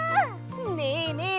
ねえねえ